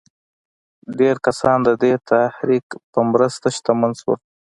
ډېر کسان د دې تحرک په مرسته شتمن شول.